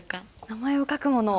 名前を書くもの。